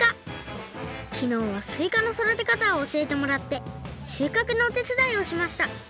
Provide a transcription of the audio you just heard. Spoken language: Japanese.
きのうはすいかのそだてかたをおしえてもらってしゅうかくのおてつだいをしました。